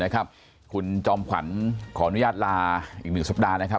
คุณจอมขวัญขออนุญาตลาอีก๑สัปดาห์นะครับ